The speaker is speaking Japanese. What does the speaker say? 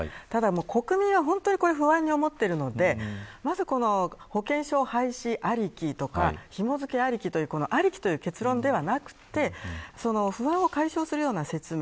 国民は不安に思っているのでまず、保険証廃止ありきとかひも付けありきというこのありきという結論ではなくて不安を解消するような説明